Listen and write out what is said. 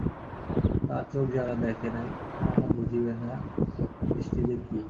তার চোখ যারা দেখে নাই তারা বুঝিবে না এই দৃষ্টি যে কী।